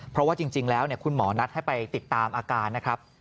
เพราะว่าจริงแล้วคุณหมอนัดให้ไปติดตามอาการนะครับ